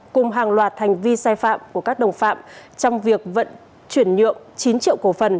cùng hàng loạt hành vi sai phạm của các đồng phạm trong việc vận chuyển nhượng chín triệu cổ phần